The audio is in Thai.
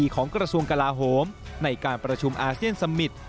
ของกระทรวงกลาโหมในการประชุมอาเซียนสมิตร